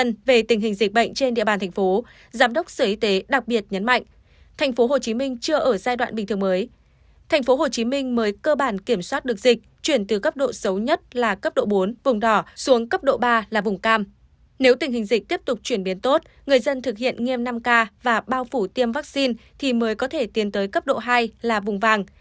nếu tình hình dịch tiếp tục chuyển biến tốt người dân thực hiện nghiêm năm k và bao phủ tiêm vaccine thì mới có thể tiến tới cấp độ hai là vùng vàng